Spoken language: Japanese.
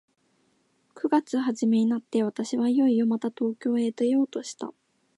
九月始めになって、私はいよいよまた東京へ出ようとした。